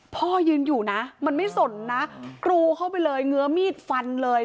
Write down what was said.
พ่อยืนอยู่นะมันไม่สนนะกรูเข้าไปเลยเงื้อมีดฟันเลย